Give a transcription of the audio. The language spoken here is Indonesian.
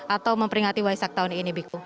atau memperingati waisak tahun ini biku